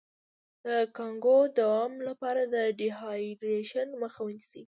د کانګو د دوام لپاره د ډیهایډریشن مخه ونیسئ